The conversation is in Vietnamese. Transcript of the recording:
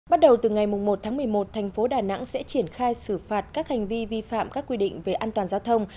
bắt đầu từ ngày một tháng một mươi một thành phố đà nẵng sẽ triển khai xử phạt các hành vi vi phạm các quy định về an toàn giao thông